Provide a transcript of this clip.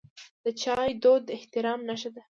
د چای دود د احترام نښه ده.